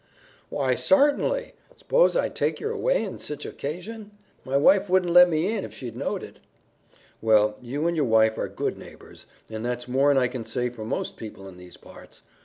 "Why, sartinly! S'pose I'd take yer away on sich a 'casion? My wife wouldn't let me in if she knowed it." "Well, you and your wife are good neighbors, and that's more'n I can say for most people in these parts.